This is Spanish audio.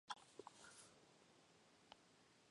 Chuck es conocido por su otra banda Death.